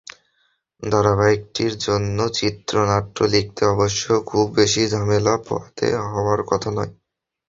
ধারাবাহিকটির জন্য চিত্রনাট্য লিখতে অবশ্য খুব বেশি ঝামেলা পোহাতে হওয়ার কথা নয়।